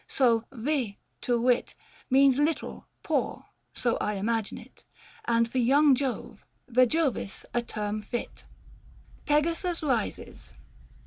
So " Ve," to wit, Means " little," " poor," so I imagine it ; And for young Jove, Yejovis a term fit. 485 PEGASUS RISES.